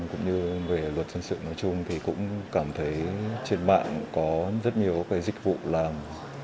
cũng như về luật dân sự nói chung thì cũng cảm thấy trên mạng có rất nhiều cái dịch vụ làm